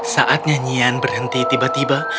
saat nyanyian berhenti tiba tiba